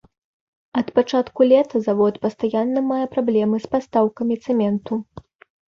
Ад пачатку лета завод пастаянна мае праблемы з пастаўкамі цэменту.